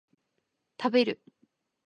食べる